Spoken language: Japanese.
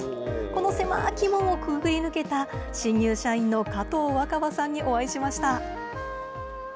この狭き門をくぐり抜けた新入社員の加藤若葉さんにお会いしました。